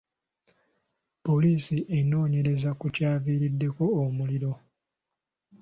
Poliisi enoonyereza ku kyaviiriddeko omuliro.